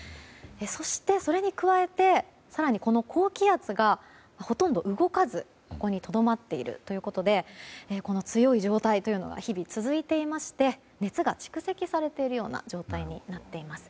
そして、それに加えて更にこの高気圧がほとんど動かず、ここにとどまっているということでこの強い状態というのが日々、続いていまして熱が蓄積されているような状態になっています。